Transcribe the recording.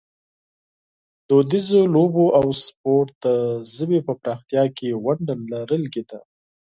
دودیزو لوبو او سپورټ د ژبې په پراختیا کې ونډه لرلې ده.